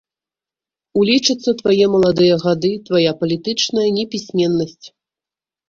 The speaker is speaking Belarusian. Улічацца твае маладыя гады, твая палітычная непісьменнасць.